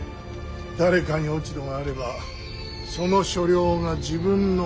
誰かに落ち度があればその所領が自分のものになる。